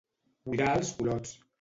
Buidar els culots.